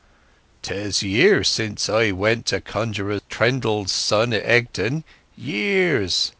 "'Tis years since I went to Conjuror Trendle's son in Egdon—years!"